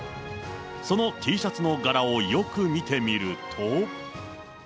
そのＴシャツの柄をよく見てみると。